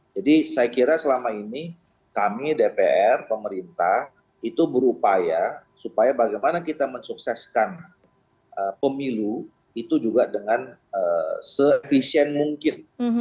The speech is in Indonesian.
jadi saya kira selama ini kami dpr pemerintah itu berupaya supaya bagaimana kita mensukseskan pemilu itu juga dengan se efisien mungkin